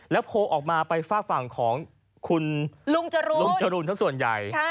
โผล่ออกมาไปฝากฝั่งของคุณลุงจรูนสักส่วนใหญ่